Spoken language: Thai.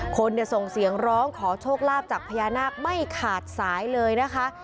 คนส่งเสียงร้องขอโชคลาภจากพญานาคไม่ขาดสายเลยนะคะ